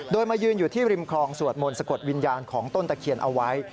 โดยมายืนอยู่ที่ริมคลองสวดมนต์สะกดวิญญาณของต้นตะเคียนเอาไว้